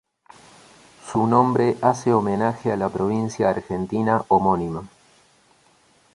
Su nombre hace homenaje a la provincia argentina homónima.